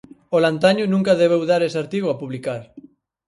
–O Lantaño nunca debeu dar ese artigo a publicar.